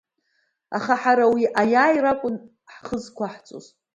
Аха, ҳара уи аиааира акәын ҳхы зқәаҳҵоз.